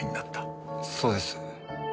そうです。